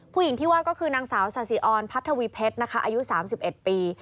ผู้หญิงที่ว่าก็คือนางสาวสาธิออนพัทวีเพชรนะคะอายุ๓๑ปี